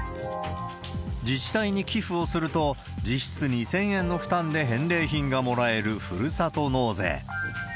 自治体に寄付をすると、実質２０００円の負担で返礼品がもらえるふるさと納税。